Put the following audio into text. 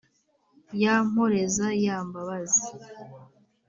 ya mporeza ya mbabazi,